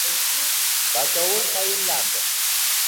Bakovul tayinladi: